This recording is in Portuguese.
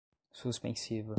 suspensiva